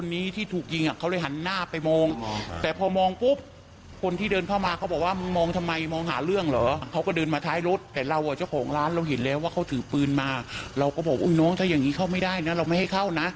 นี่ก็คือคนที่พูดอะไรว่ามึงมองหน้าทำไม